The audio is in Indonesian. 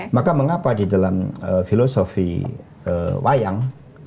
maka mengapa di dalam filosofi wayang